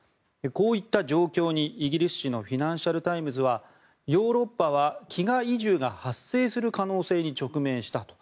こういった状況にイギリス紙のフィナンシャル・タイムズはヨーロッパは飢餓移住が発生する可能性に直面したと。